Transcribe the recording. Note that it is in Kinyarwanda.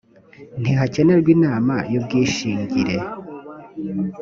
ntihakenerwa inama y ubwishingire